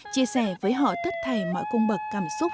chia sẻ với họ thất thầy mọi cung bậc cảm xúc